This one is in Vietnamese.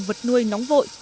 vật nuôi vật nội vật nội